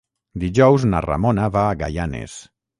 Dijous na Ramona va a Gaianes.